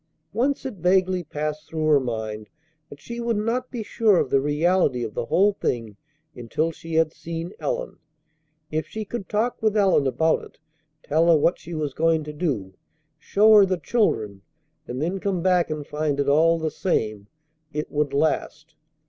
Once it vaguely passed through her mind that she would not be sure of the reality of the whole thing until she had seen Ellen. If she could talk with Ellen about it, tell her what she was going to do, show her the children, and then come back and find it all the same, it would last.